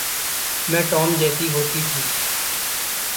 मैं टॉम जैसी होती थी।